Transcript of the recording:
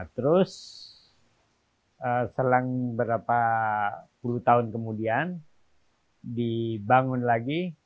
terus selang berapa puluh tahun kemudian dibangun lagi